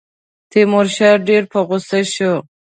تیمورشاه ډېر په غوسه شو.